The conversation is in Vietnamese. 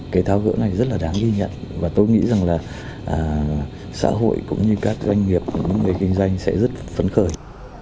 cái tháo gỡ này rất là đáng ghi nhận và tôi nghĩ rằng là xã hội cũng như các doanh nghiệp người kinh doanh sẽ rất phấn khởi